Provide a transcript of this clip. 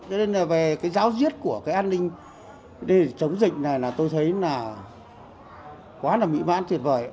cho nên là về cái giáo diết của cái an ninh chống dịch này là tôi thấy là quá là mỹ mãn tuyệt vời